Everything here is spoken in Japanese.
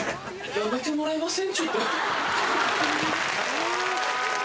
やめてもらえません？